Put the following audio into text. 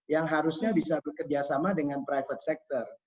yang harusnya bisa bekerja sama dengan private sector